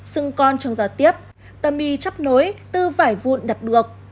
xưng con trong gió tiếp tầm y chắp nối tư vải vụn đặt được